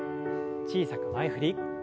小さく前振り。